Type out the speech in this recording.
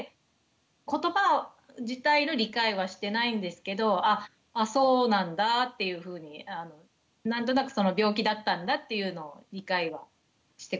言葉自体の理解はしてないんですけどあそうなんだっていうふうに何となく病気だったんだっていうのを理解はしてくれてますね。